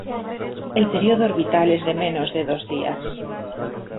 El periodo orbital es de menos de dos días.